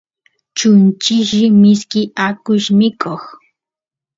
chunchilli mishki akush mikoq